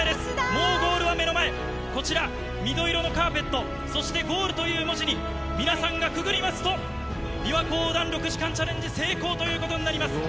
もうゴールは目の前、こちら、緑色のカーペット、そしてゴールという文字に、皆さんがくぐりますと、びわ湖横断６時間チャレンジ成功ということになります。